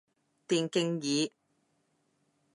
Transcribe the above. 電競椅